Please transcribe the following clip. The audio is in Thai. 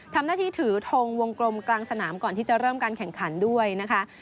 ทำหน้าที่ถือทงวงกลมกลางสนามก่อนที่จะเริ่มการแข่งขันด้วยนะคะ